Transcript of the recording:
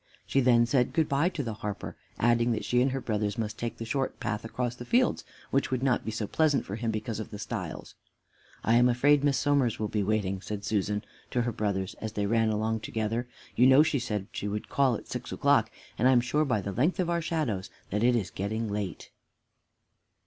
She then said good by to the harper, adding that she and her brothers must take the short path across the fields, which would not be so pleasant for him because of the stiles. "I am afraid Miss Somers will be waiting," said Susan to to her brothers as they ran along together. "You know she said she would call at six o'clock, and I am sure by the length of our shadows that it is getting late."